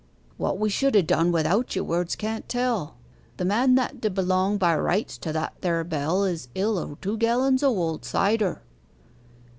'What we should ha' done without you words can't tell. The man that d'belong by rights to that there bell is ill o' two gallons o' wold cider.